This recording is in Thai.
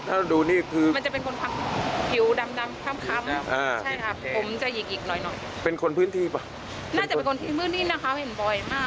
ใช่ค่ะคนเดียวนะครับ